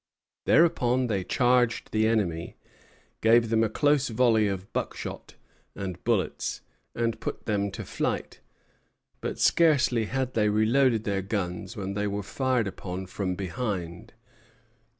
Thereupon they charged the enemy, gave them a close volley of buckshot and bullets, and put them to flight; but scarcely had they reloaded their guns when they were fired upon from behind.